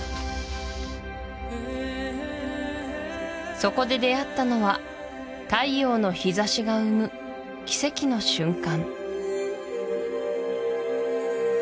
そこで出会ったのは太陽の日差しが生む奇跡の瞬間